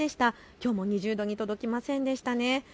きょうも２０度に届きませんでしたね。